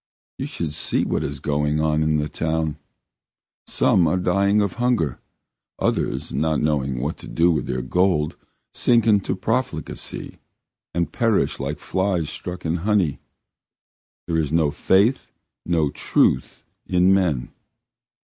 You should see what is going on in the town! Some are dying of hunger, others, not knowing what to do with their gold, sink into profligacy and perish like flies stuck in honey. There is no faith, no truth in men.